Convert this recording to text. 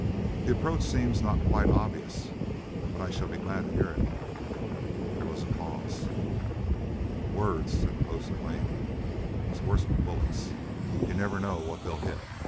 "The approach seems not quite obvious, but I shall be glad to hear it." There was a pause. "Words," said the host, at length, "is worse'n bullets. You never know what they'll hit."